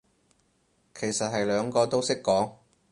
其實係兩個都識講